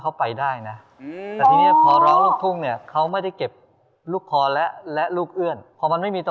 เพื่อได้สิทธิ์ร้องต่อจนจบเพลงหรือไม่